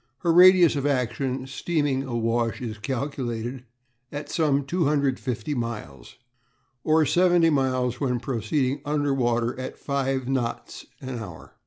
Her radius of action, steaming awash, is calculated at some 250 miles, or seventy miles when proceeding under water at five knots an hour.